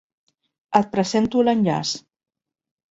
Et presento l'enllaç.